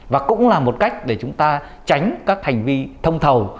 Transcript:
và cũng là một cách để chúng ta tránh các hành vi thông thầu